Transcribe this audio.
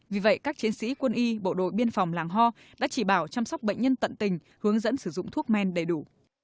vì vậy các chiến sĩ quân y bộ đội biên phòng làng ho đã chỉ bảo chăm sóc bệnh nhân tận tình hướng dẫn sử dụng thuốc men đầy đủ